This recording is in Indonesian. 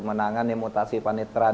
menangani mutasi penetradis